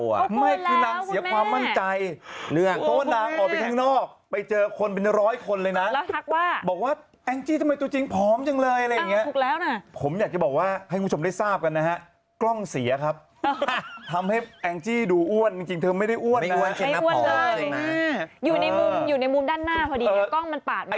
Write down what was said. คุณแม่ค่ะคุณแม่คุณแม่คุณแม่คุณแม่คุณแม่คุณแม่คุณแม่คุณแม่คุณแม่คุณแม่คุณแม่คุณแม่คุณแม่คุณแม่คุณแม่คุณแม่คุณแม่คุณแม่คุณแม่คุณแม่คุณแม่คุณแม่คุณแม่คุณแม่คุณแม่คุณแม่คุณแม่คุณแม่คุณแม่คุณแม่